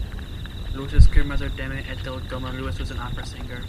Lewis' grandmother Dame Ethel Gomer-Lewis was an opera singer.